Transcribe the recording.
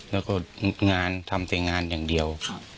แล้วก็งานทำแต่งานอย่างเดียว